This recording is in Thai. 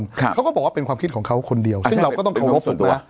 เขาก็บอกว่าเป็นความคิดของเขาคนเดียวซึ่งเราก็ต้องเคารพส่วนตัว